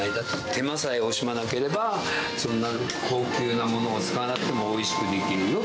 手間さえ惜しまなければ、そんな、高級なものを使わなくてもおいしくできるよ。